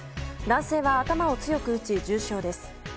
男性は頭を強く打ち重傷です。